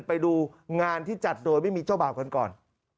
ไปดูงานที่จัดโดยไม่มีเจ้าบ่าวกันก่อน